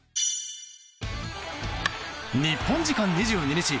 日本時間２２日